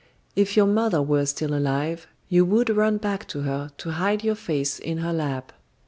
If your mother were still alive, you would run back to her to hide your face in her lap.